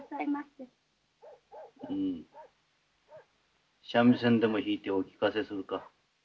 うむ三味線でも弾いてお聞かせするか。